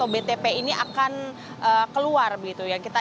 btp ini akan keluar begitu ya